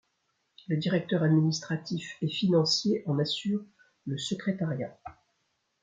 Le Directeur administratif et financier en assure le secrétariat.